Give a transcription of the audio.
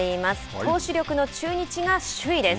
投手力の中日が首位です。